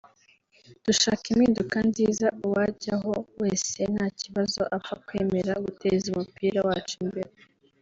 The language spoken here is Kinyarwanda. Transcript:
dushaka impinduka nziza uwajyaho wese nta kibazo apfa kwemera guteza umupira wacu imbere